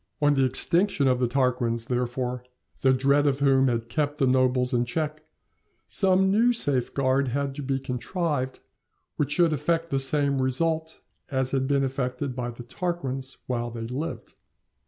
On the extinction of the Tarquins, therefore, the dread of whom had kept the nobles in check, some new safeguard had to be contrived, which should effect the same result as had been effected by the Tarquins while they lived.